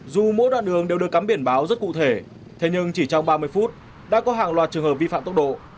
dù mỗi đoạn đường đều được cắm biển báo rất cụ thể thế nhưng chỉ trong ba mươi phút đã có hàng loạt trường hợp vi phạm tốc độ